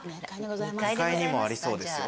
２階にもありそうですよ。